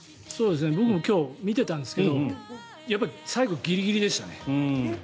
僕も今日、見てたんですが最後、ギリギリでしたね。